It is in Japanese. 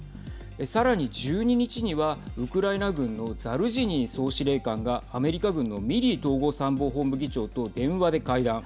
さらに１２日にはウクライナ軍のザルジニー総司令官がアメリカ軍のミリー統合参謀本部議長と電話で会談。